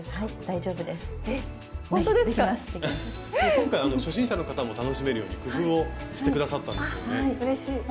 今回初心者の方も楽しめるように工夫をしてくださったんですよね。